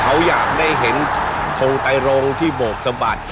เขาอยากได้เห็นทรงตายรองที่บกสมบัติ